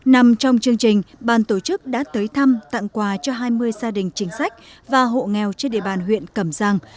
nằm trong chương trình ban tổ chức đã tới thăm tặng quà cho hai mươi gia đình chính sách và hộ nghèo trên địa bàn huyện cẩm giang